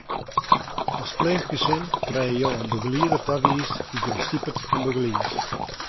As pleechgesin krije jo in begelieder tawiisd dy't jo stipet en begeliedt.